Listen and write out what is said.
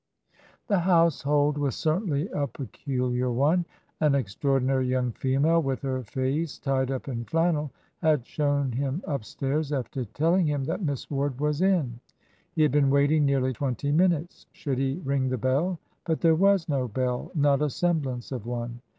The household was certainly a peculiar one. An extraordinary young female, with her face tied up in flannel, had shown him upstairs after telling him that Miss Ward was in. He had been waiting nearly twenty minutes. Should he ring the bell? But there was no bell not a semblance of one.